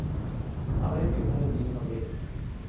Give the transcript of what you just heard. আমার একটি ভালো বিয়ে হবে।